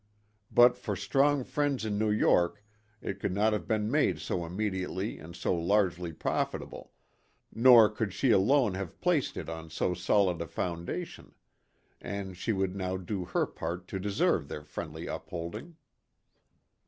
But for strong friends in New York it could not have been made so immediately and so largely profitable, nor could she alone have placed it on so solid a foundation ; and she would now do her part to deserve their friendly upholding.